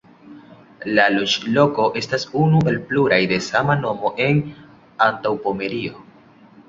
La loĝloko estas unu el pluraj de sama nomo en Antaŭpomerio.